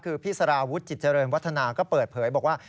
คือพี่สารวุฒิจิตเจริญวัฒนาก็เปิดเผยบอกว่า